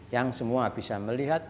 yang semua bisa melihat